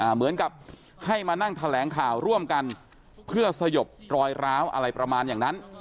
เหมือนกับให้มานั่งแถลงข่าวร่วมกันเพื่อสยบรอยร้าวอะไรประมาณอย่างนั้น